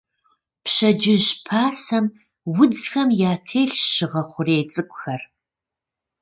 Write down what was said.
Пщэдджыжь пасэм удзхэм ятелъщ щыгъэ хъурей цӀыкӀухэр.